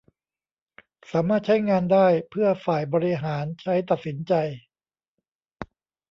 สามารถใช้งานได้เพื่อฝ่ายบริหารใช้ตัดสินใจ